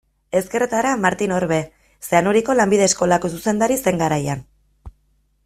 Ezkerretara, Martin Orbe, Zeanuriko lanbide eskolako zuzendari zen garaian.